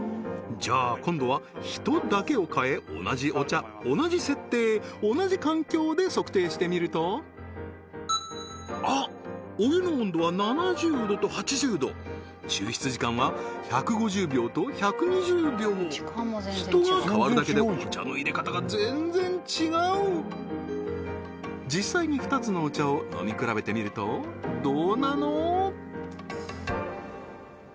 じゃあ今度は人だけを変え同じお茶同じ設定同じ環境で測定してみるとあっお湯の温度は７０度と８０度抽出時間は１５０秒と１２０秒人が変わるだけでお茶の淹れ方が全然違う実際に２つのお茶を飲み比べてみるとどうなの？